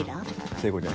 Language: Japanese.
聖子ちゃん